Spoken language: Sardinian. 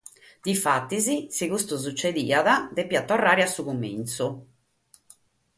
Difatis, si custu sutzediat, depiat torrare a su cumintzu.